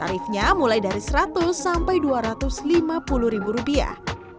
tarifnya mulai dari seratus sampai dua ratus lima puluh ribu rupiah